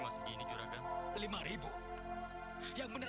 sampai jumpa di video selanjutnya